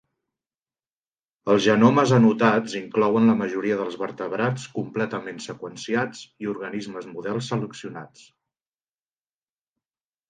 Els genomes anotats inclouen la majoria dels vertebrats completament seqüenciats i organismes models seleccionats.